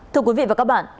thưa quý vị và các bạn